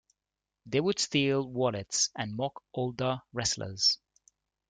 They would steal wallets and mock older wrestlers.